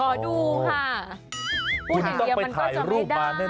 ขอดูค่ะพูดเดียวมันก็จะไม่ได้คุณต้องไปถ่ายรูปมาแน่